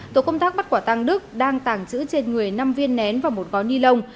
tổ công tác bắt quả tăng đức đang tạm giữ trên người năm viên nén và một gói ni lông